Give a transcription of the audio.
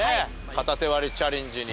片手割りチャレンジに。